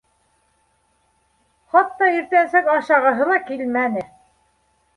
Хатта иртәнсәк ашағыһы ла килмәне.